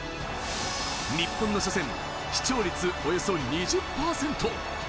日本の初戦、視聴率およそ２０％。